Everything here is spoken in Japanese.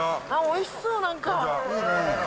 おいしそう、なんか。